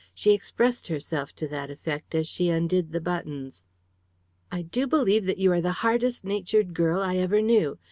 She expressed herself to that effect as she undid the buttons. "I do believe that you are the hardest natured girl I ever knew.